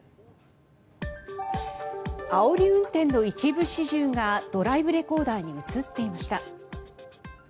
あおり運転の一部始終がドライブレコーダーに映っていました。